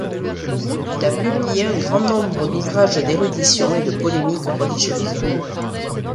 Il a publié un grand nombre d'ouvrages d'érudition et de polémique religieuse.